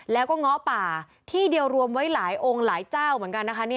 แล้วก็ง้อป่าที่เดียวรวมไว้หลายองค์หลายเจ้าเหมือนกันนะคะ